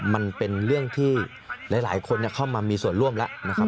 มันเป็นเรื่องที่หลายคนเข้ามามีส่วนร่วมแล้วนะครับ